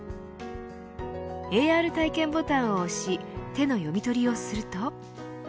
ＡＲ体験ボタンを押し手の読み取りをすると。